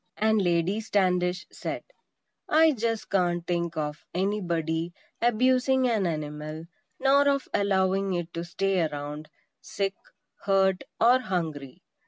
And Lady Standish said: "I just can't think of anybody abusing an animal; nor of allowing it to stay around, sick, hurt or hungry.